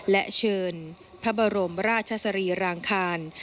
และเชิญพระบรมราชสรีรางคาร